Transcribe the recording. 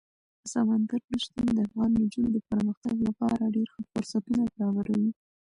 سمندر نه شتون د افغان نجونو د پرمختګ لپاره ډېر ښه فرصتونه برابروي.